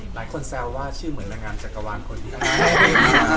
หลายคนแซวว่าชื่อเหมือนรางงานจักรวรรค์คนดี